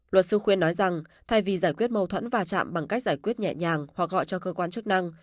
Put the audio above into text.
luật sư khuyên nói rằng thay vì giải quyết mâu thuẫn và chạm bằng cách giải quyết nhẹ nhàng hoặc gọi cho cơ quan chức năng